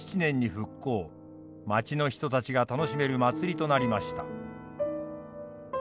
町の人たちが楽しめる祭りとなりました。